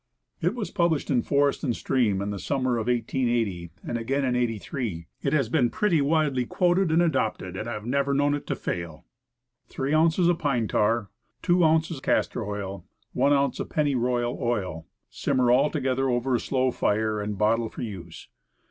It was published in Forest and Stream in the summer of 1880, and again in '83. I has been pretty widely quoted and adopted, and I have never known it to fail: Three ounces pine tar, two ounces castor oil, one ounce pennyroyal oil. Simmer all together over a slow fire, and bottle for use.